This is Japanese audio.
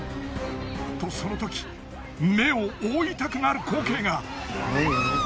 とその時目を覆いたくなる光景が！